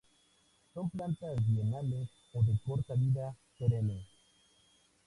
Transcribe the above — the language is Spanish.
Son plantas bienales o de corta vida perenne.